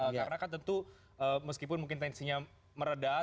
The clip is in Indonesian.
karena kan tentu meskipun mungkin tensinya meredah